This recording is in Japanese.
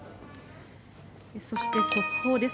そして速報です。